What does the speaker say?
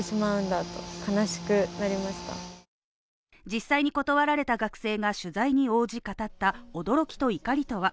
実際に断られた学生が取材に応じ語った驚きと怒りとは。